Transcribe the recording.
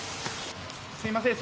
すいません。